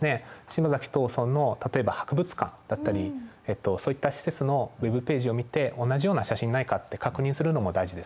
島崎藤村の例えば博物館だったりそういった施設のＷｅｂページを見て同じような写真ないかって確認するのも大事ですね。